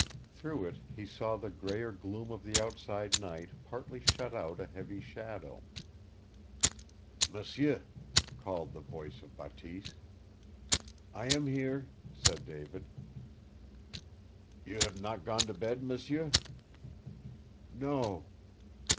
Through it he saw the grayer gloom of the outside night partly shut out a heavy shadow. "M'sieu!" called the voice of Bateese. "I am here," said David. "You have not gone to bed, m'sieu?" "No."